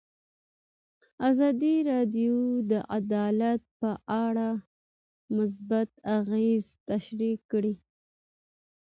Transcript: ازادي راډیو د عدالت په اړه مثبت اغېزې تشریح کړي.